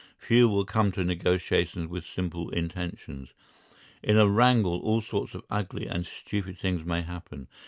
Few will come to negotiations with simple intentions. In a wrangle all sorts of ugly and stupid things may happen.